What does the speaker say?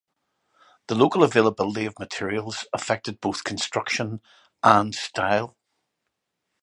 The local availability of materials affected both construction and style.